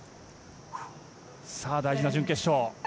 大事な準決勝。